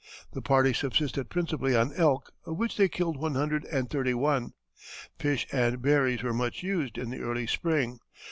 The party subsisted principally on elk, of which they killed one hundred and thirty one. Fish and berries were much used in the early spring.